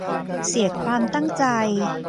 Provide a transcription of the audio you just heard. เสียความตั้งใจ